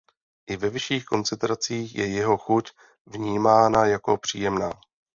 I ve vyšších koncentracích je jeho chuť vnímána jako příjemná.